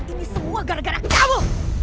ini semua gara gara nyamuk